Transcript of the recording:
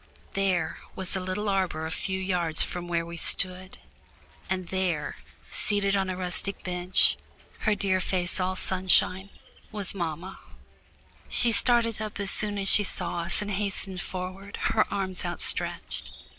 "There" was a little arbour a few yards from where we stood, and there, seated on a rustic bench, her dear face all sunshine, was mamma! She started up as soon as she saw us and hastened forward, her arms outstretched.